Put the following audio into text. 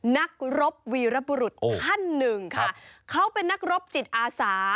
นักรบวีรบุรุษท่านหนึ่งค่ะเขาเป็นนักรบจิตอาสา